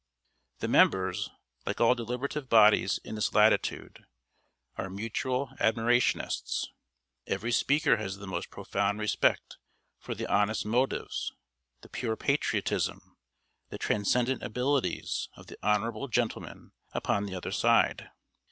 The members, like all deliberative bodies in this latitude, are mutual admirationists. Every speaker has the most profound respect for the honest motives, the pure patriotism, the transcendent abilities of the honorable gentleman upon the other side.